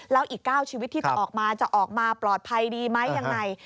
แล้วอีก๙ชีวิตที่จะออกมาจะออกมาปลอดภัยดีไหมยังไง